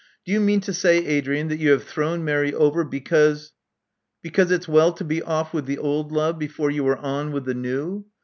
"Do you mean to say, Adrian, that you have thrown Mary over because Because it's well to be ofif with the old love, before you are on with the new?